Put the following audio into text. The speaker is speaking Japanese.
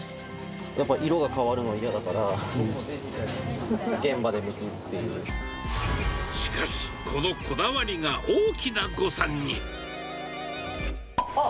やっぱり色が変わるの嫌だかしかし、このこだわりが大きあっ！